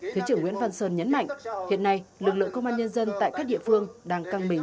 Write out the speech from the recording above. thứ trưởng nguyễn văn sơn nhấn mạnh hiện nay lực lượng công an nhân dân tại các địa phương đang căng mình